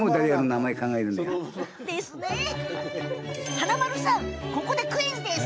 華丸さん、ここでクイズです。